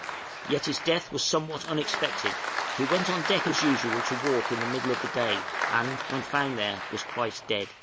Yet his death was somewhat unexpected; he went on deck as usual to walk in the middle of the day, and, when found there, was quite dead.